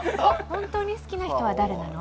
本当に好きな人は誰なの？